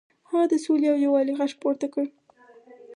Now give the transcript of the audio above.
هغه د سولې او یووالي غږ پورته کړ.